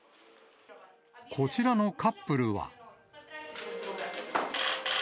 こちらのカップルは。